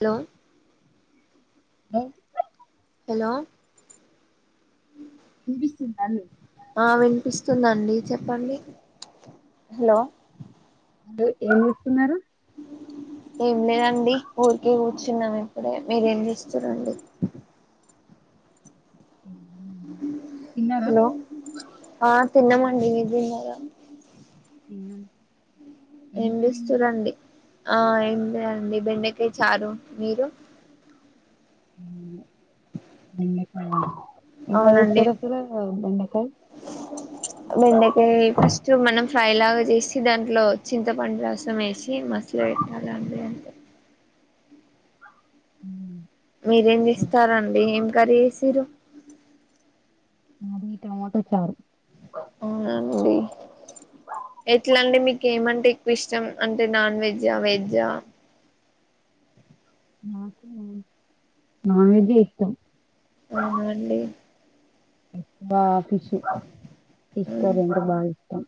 hello hello hello వినిపిస్తుందా అండి ఆ వినిపిస్తుందండి చెప్పండి హలో అదే ఏం చేస్తున్నారు ఏం లేదండి ఊరికే కూర్చున్నాం ఇప్పుడే మీరు చేస్తురు అండి, తిన్నారా హలో ఆ తిన్నమండి మీరు తిన్నారా తిన్నాం ఏం ఎం కర్రీ మీది చేస్తురండి ఆ ఏం లేదండి బెండెకాయ చారు మీరు బెండకాయ ఎలా అవునండి చేస్తారు అసలు బెండకాయ బెండకాయ ఫస్ట్ మనం ఫ్రై లాగా చేసి దాంట్లో చింత పండు రసం వేసి మసల పెట్టాల అండి అంతే ఉ మీరేం చేస్తారండి ఏం కర్రీ చేసిరు మాది టమోటా చారు అవునండి ఎట్లా అండి మీకు ఏమంటే ఎక్కువ ఇష్టం అంటే నాన్ వెజా వెజ్జా నాకు నాన్ వెజ్ ఇష్టం అవునా అండి ఆ ఫిష్ ఫిష్ కర్రీ అంటే బాగా ఇష్టం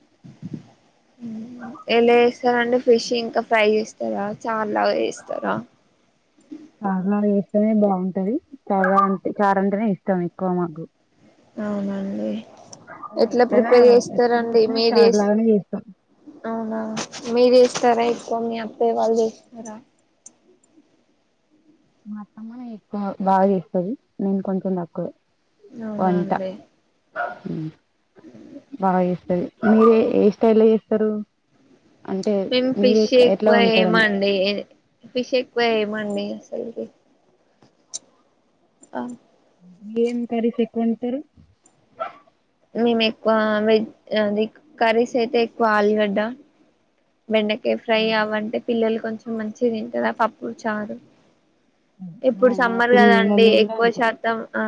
ఎలా చేస్తారండి ఫిష్ ఇంకా ఫ్రై చేస్తారా చారు లాగా చేస్తారా చారు లాగానే చేస్తేనే బాగుంటది చార అంటేనే ఇష్టం ఎక్కువ మాకు అవునండి నేను ఎట్లా ఎప్పుడైనా ప్రిపేర్ ఎప్పుడు చేస్తారండి చేసినా మీరూ చార్ చేస్త లాగానే చేస్తాం అవునా మీరు చేస్త సరే పోనీ అత్తయ్య వాళ్ళు చేస్తారా మా అత్తమ్మ ఎక్కువ బాగా చేస్తుంది నేను కొంచెం తక్కువే అవునులే హ బాగా చేస్తది మీరే ఏ స్టైల్లో చేస్తారు అంటే మేము మీరే ఫిష్ ఎట్లా ఎక్కువ వండుతారని ఏమండి ఫిష్ ఎక్కువ ఏయమంటే ఆ ఏం కర్రీస్ ఎక్కువ వండుతారు మేము ఎక్కువ వెజ్ అది కర్రీస్ అయితే ఎక్కువ ఆలిగడ్డ బెండకయ ఫ్రై అవ్వంటే పిల్లలకి కొంచెం మంచిగా తింటారు ఆ పప్పు చారు ఇప్పుడు మా సమ్మర్ కదాండి పిల్లలు కూడా ఎక్కువ అంతే శాతం ఆ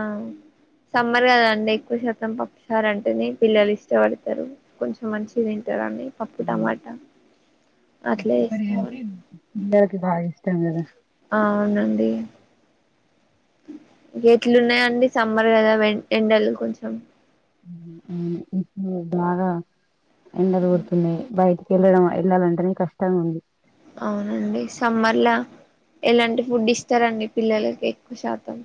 సమ్మర్ కదాండి ఎక్కువ శాతం పప్పుసారూ అంటేనే పిల్లలు ఇష్టపడతారు కొంచెం మంచి తింటారండీ పప్పు టమాట పిల్లలకి బాగా ఇష్టం కదా అవునండి ఎట్లున్నాయండి సమ్మర్ కదా ఎండలు కొంచెం ఎండ [unintelligible] బయటికి వెళ్ళడం వెళ్ళాలంటేనే కష్టంగా ఉంది అవునండి సమ్మర్లా ఎలాంటి ఫుడ్ ఇస్తారండి పిల్లలకి ఎక్కువ శాతం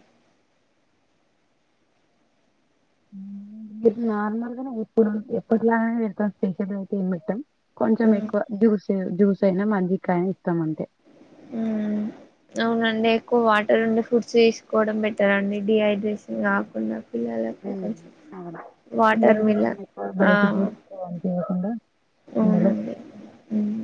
నార్మల్గానే ఎప్పుడు ఎప్పుటిలా [unintelligible] కొంచెం ఉమ్ ఎక్కువ జ్యూస్ [unintelligible] ఇస్తామ అంతే అవునండి ఎక్కువ వాటర్ ఉండే ఫ్రూట్స్ తీసుకోవడం బెటర్ అండి డిహైడ్రేషన్ కాకుండా పిల్లలకి హ్మ్ కొంచెం అవును వాటర్ పిల్లలకోసం మిలన్ ఎక్కువ బైటకి కూడా [inaudible] అండే అవ్నండి హ్మ్